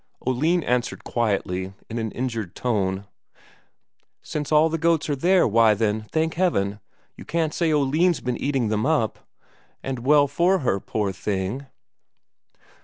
Oline answered quietly, in an injured tone, "Since all the goats are there, why, then, thank Heaven, you can't say Oline's been eating them up. And well for her, poor thing."